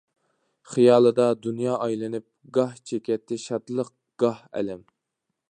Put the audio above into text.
خىيالىدا دۇنيا ئايلىنىپ، گاھ چېكەتتى شادلىق، گاھ ئەلەم.